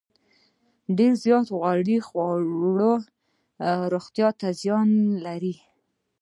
ډیر زیات غوړ خواړه روغتیا ته زیان لري.